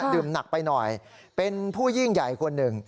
หนักไปหน่อยเป็นผู้ยิ่งใหญ่คนหนึ่ง